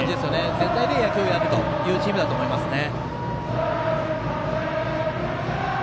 全体で野球をやるというチームだと思いますね。